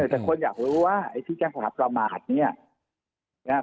แต่คนอยากรู้ว่าไอ้ที่จะขับประมาทเนี้ยนะฮะ